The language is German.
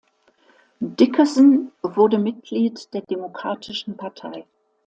Dickerson wurde Mitglied der Demokratischen Partei.